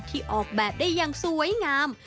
ออกแบบได้อย่างสวยงาม